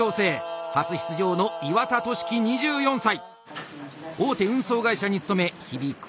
初出場の岩田稔希２４歳。